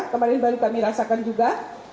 kemarin baru kami rasakan juga